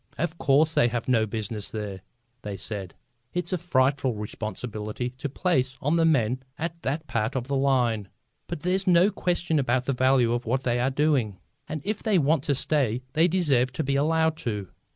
"Of course they have no business there," they said. "It's a frightful responsibility to place on the men at that part of the line. But there's no question about the value of what they are doing, and if they want to stay they deserve to be allowed to.